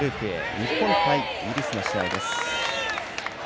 日本対イギリスの試合です。